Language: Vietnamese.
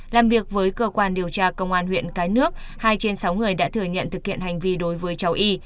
làm việc với cơ quan điều tra công an huyện cái nước hai trên sáu người đã thừa nhận thực hiện hành vi đối với cháu y